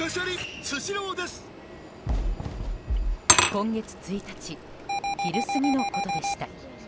今月１日昼過ぎのことでした。